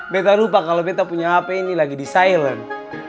betta lupa kalo betta punya hp ini lagi di silent